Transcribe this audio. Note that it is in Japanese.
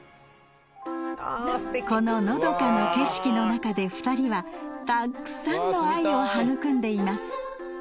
こののどかな景色の中で２人はたっくさんの愛を育んでいます。